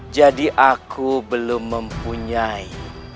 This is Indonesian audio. jadi aku belum mempunyai